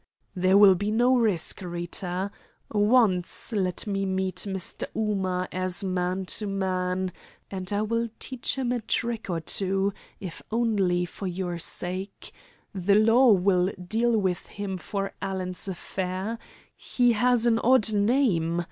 "There will be no risk, Rita. Once let me meet Mr. Ooma as man to man and I will teach him a trick or two, if only for your sake. The law will deal with him for Alan's affair. He has an odd name!